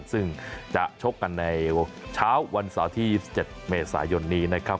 ซึ่งจะชกกันในเช้าวันเสาร์ที่๒๗เมษายนนี้นะครับ